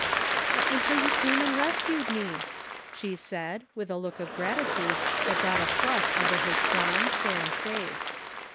"And so you came and rescued me !" she said, with a look of gratitude that brought a flush over his strong, tanned face.